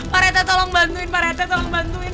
pak rete tolong bantuin pak rete tolong bantuin